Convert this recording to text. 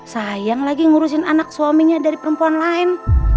sayang lagi ngurusin anak suaminya dari perempuan lain